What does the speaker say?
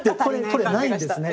これないんですね。